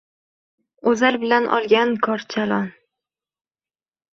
oʼzal qilib olgan korchalon